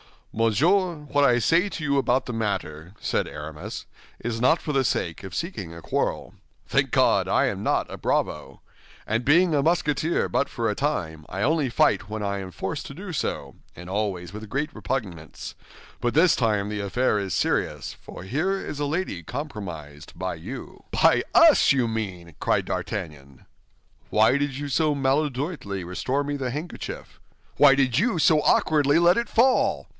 "Monsieur, what I say to you about the matter," said Aramis, "is not for the sake of seeking a quarrel. Thank God, I am not a bravo! And being a Musketeer but for a time, I only fight when I am forced to do so, and always with great repugnance; but this time the affair is serious, for here is a lady compromised by you." "By us, you mean!" cried D'Artagnan. "Why did you so maladroitly restore me the handkerchief?" "Why did you so awkwardly let it fall?"